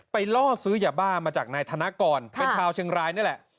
ล่อซื้อยาบ้ามาจากนายธนกรเป็นชาวเชียงรายนี่แหละ